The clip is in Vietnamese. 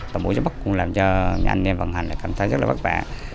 tổng bộ giới bắc cũng làm cho anh em vận hành cảm thấy rất là bất vả